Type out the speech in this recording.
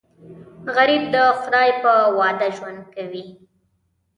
غریب د خدای په وعده ژوند کوي